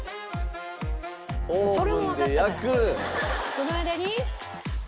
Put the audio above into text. その間に。